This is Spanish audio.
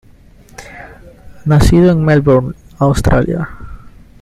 Nacido en Melbourne, Australia.